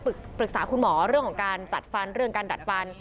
ปรึกษาคุณหมอเรื่องของการจัดฟันเรื่องการดัดฟัน